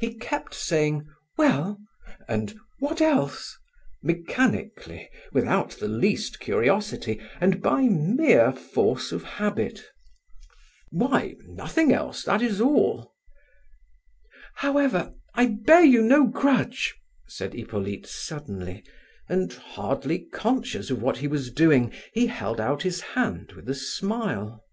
He kept saying "well?" and "what else?" mechanically, without the least curiosity, and by mere force of habit. "Why, nothing else; that is all." "However, I bear you no grudge," said Hippolyte suddenly, and, hardly conscious of what he was doing, he held out his hand with a smile.